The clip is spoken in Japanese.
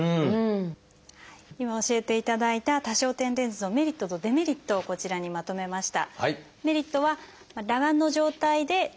今教えていただいた多焦点レンズのメリットとデメリットをこちらにまとめました。